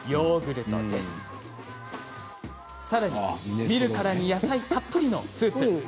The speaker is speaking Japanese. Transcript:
更に見るからに野菜たっぷりのスープ。